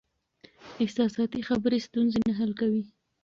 احساساتي خبرې ستونزې نه حل کوي.